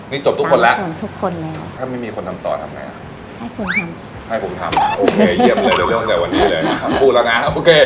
นี่จบทุกคนแล้วถ้าไม่มีคนทำต่อทำไหนให้ผมทำโอเคเยี่ยมเลยเริ่มจากวันนี้เลยคำพูแล้วนะโอเค